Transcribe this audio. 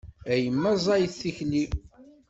A yemma ẓẓayet tikli.